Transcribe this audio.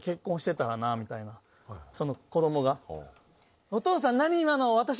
その子供が。